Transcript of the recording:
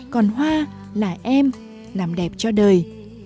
còn hoa là em làm đẹp cho đời